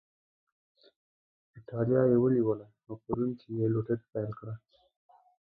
اېټالیا یې ونیوله او په روم کې یې لوټري پیل کړه.